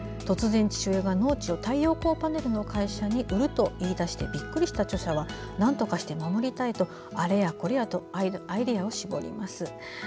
突然、父親が農地を太陽光パネルの会社に売ると言い出してびっくりした著者はなんとかして守りたいとあれやこれやとアイデアを絞ります。